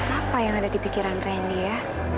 apa yang ada di pikiran randy ya